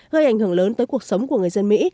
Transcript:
gây ảnh hưởng lớn tới cuộc sống của người dân mỹ